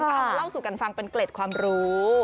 ก็เอามาเล่าสู่กันฟังเป็นเกล็ดความรู้